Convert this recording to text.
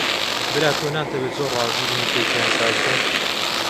برا تۆ ناتەوێ زۆر ڕازی بن و کەیفیان ساز بێ؟